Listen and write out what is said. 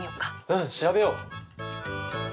うん調べよう！